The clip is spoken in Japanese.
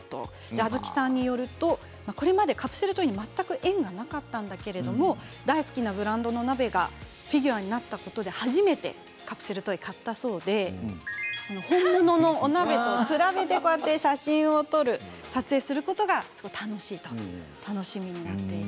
あずきさんによるとこれまでカプセルトイに全く縁がなかったんだけれど大好きなブランドの鍋がフィギュアになったことで初めてカプセルトイを買ったそうで本物のお鍋と比べて写真を撮る、撮影することが楽しみになっている。